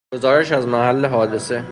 گزارش از محل حادثه